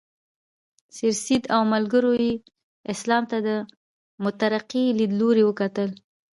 سرسید او ملګرو یې اسلام ته له مترقي لیدلوري وکتل.